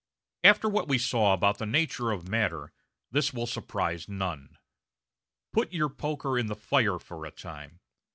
After what we saw about the nature of matter, this will surprise none. Put your poker in the fire for a time.